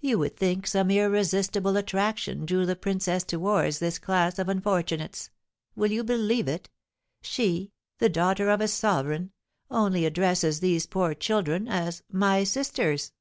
You would think some irresistible attraction drew the princess towards this class of unfortunates. Will you believe it? she, the daughter of a sovereign, only addresses these poor children as 'my sisters!'"